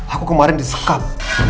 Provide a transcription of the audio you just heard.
aku kemarin disekap